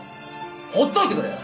放っといてくれ！